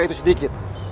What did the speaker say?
ini tidak berguna